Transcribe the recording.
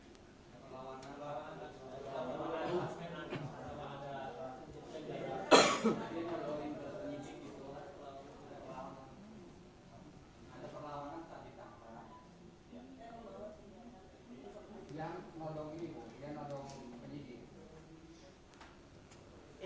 yang nologi pendidik